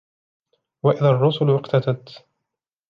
وإذا الرسل أقتت